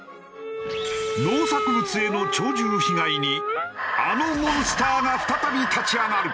農作物への鳥獣被害にあのモンスターが再び立ち上がる。